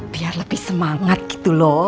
biar lebih semangat gitu loh